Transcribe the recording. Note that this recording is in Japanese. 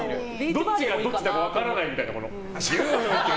どっちがどっちか分からないみたいな。